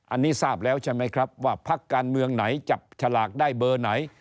อันนี้ทราบแล้วใช่ไหมครับว่าพักการเมืองไหนจับฉลากได้เบอร์ไหน